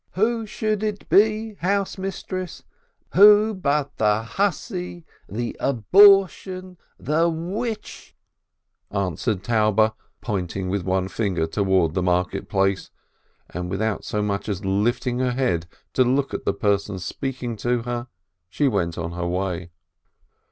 "Who should it be, housemistress, who but the hussy, the abortion, the witch," answered Taube, pointing with one finger towards the market place, and, without so much as lifting her head to look at the person speaking to her, she went on her way.